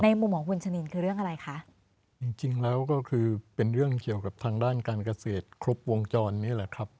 มุมของคุณชะนินคือเรื่องอะไรคะจริงจริงแล้วก็คือเป็นเรื่องเกี่ยวกับทางด้านการเกษตรครบวงจรนี่แหละครับ